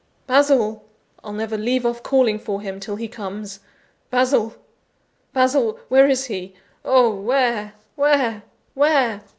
Basil! I'll never leave off calling for him, till he comes. Basil! Basil! Where is he? Oh, where, where, where!"